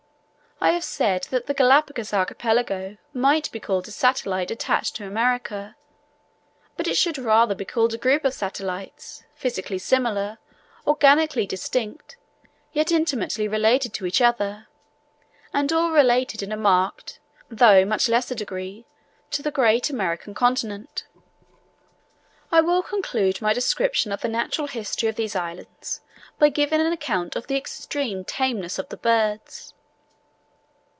I have said that the Galapagos Archipelago might be called a satellite attached to America, but it should rather be called a group of satellites, physically similar, organically distinct, yet intimately related to each other, and all related in a marked, though much lesser degree, to the great American continent. I will conclude my description of the natural history of these islands, by giving an account of the extreme tameness of the birds.